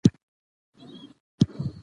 نواب وزیر باندي زور واچوي.